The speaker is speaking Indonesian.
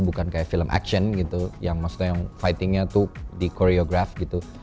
bukan kayak film action gitu yang maksudnya yang fighting nya itu di choreograph gitu